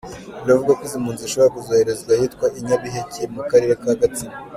Biravugwa ko izi mpunzi zishobora kuzoherezwa ahitwa i Nyabiheke mu karere ka Gatsibo.